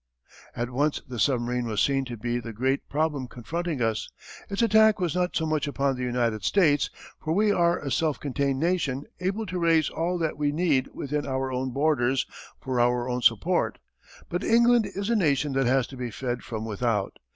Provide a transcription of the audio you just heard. At once the submarine was seen to be the great problem confronting us. Its attack was not so much upon the United States, for we are a self contained nation able to raise all that we need within our own borders for our own support. But England is a nation that has to be fed from without.